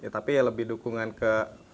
tapi ya lebih dukungan ke